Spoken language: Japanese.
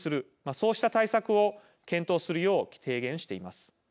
そうした対策を検討するよう提言しています。